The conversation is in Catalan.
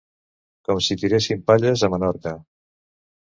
Com si tiressin palles a Menorca!